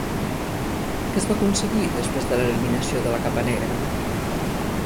Què es va aconseguir després de l'eliminació de la capa negra?